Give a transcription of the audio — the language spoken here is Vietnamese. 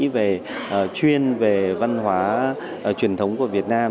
về chuyên về văn hóa truyền thống của việt nam